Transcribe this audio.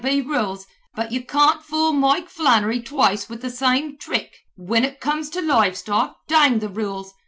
"Rules may be rules, but you can't fool Mike Flannery twice wid the same thrick whin ut comes to live stock, dang the rules.